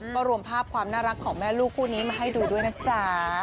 ก็รวมภาพความน่ารักของแม่ลูกคู่นี้มาให้ดูด้วยนะจ๊ะ